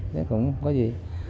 thế cũng có gì